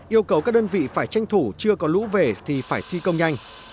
yêu cầu các đơn vị phải tranh thủ chưa có lũ về thì phải thi công nhanh